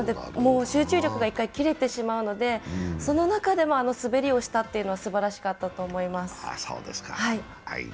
集中力が１回切れてしまうので、その中であの滑りをしたというのはすばらしかったと思います。